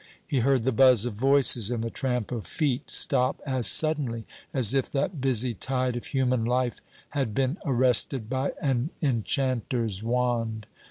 He heard the buzz of voices and the tramp of feet stop as suddenly as if that busy tide of human life had been arrested by an enchanter's wand.